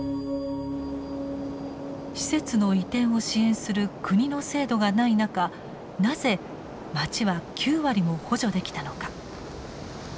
施設の移転を支援する国の制度がない中なぜ町は９割も補助できたのか。